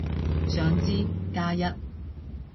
想知，加一